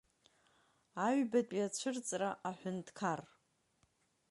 Аҩбатәи ацәырҵра аҳәынҭқар.